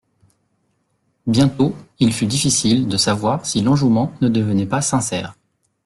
Bientôt, il fut difficile de savoir si l'enjouement ne devenait pas sincère.